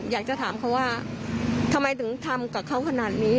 อยากจะถามเขาว่าทำไมถึงทำกับเขาขนาดนี้